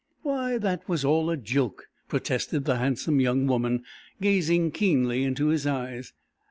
"Why, that was all a joke," protested the handsome young woman, gazing keenly into his eyes.